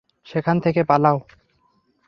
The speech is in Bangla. সেখান থেকে পালাও।